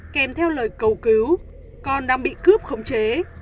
kèm theo lời cầu cứu con đang bị cướp khống chế